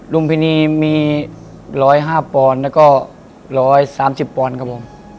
ุมพินีมี๑๐๕ปอนด์แล้วก็๑๓๐ปอนด์ครับผม